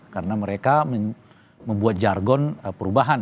karena mereka membuat jargon perubahan